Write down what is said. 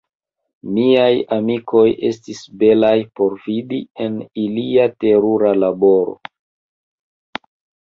Miaj amikoj estis belaj por vidi, en ilia terura laboro.